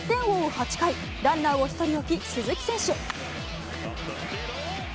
８回、ランナーを１人置き、鈴木選手。